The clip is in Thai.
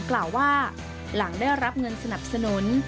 กล่าวว่าหลังได้รับเงินสนับสนุน